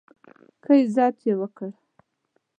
ښه عزت یې وکړ.